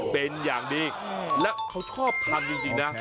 เป็นอย่างดีและเขาชอบทำจริงนะ